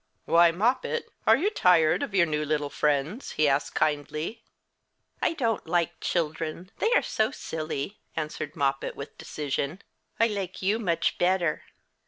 "Why, Moppet, are you tired of your new little friends?" he asked kindly. "I don't like children: they are so silly," answered Moppet, with decision. "I like you much better."